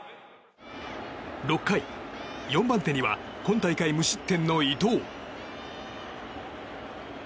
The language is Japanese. ６回、４番手には今大会無失点の伊藤。